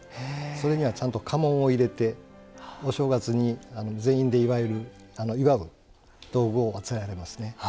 それにはちゃんと家紋を入れてお正月に全員で祝う道具をあつらえられますね。